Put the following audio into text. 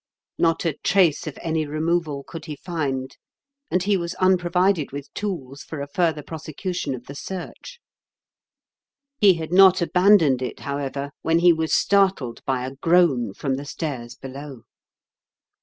Not a trace of any removal could he find, and he was unprovided with tools for a further prosecution of the search. He had not A LEGEND OF GUNDULPH'8 TOWEB. 107 abandoned it, however, when he was startled by a groan from the stairs below.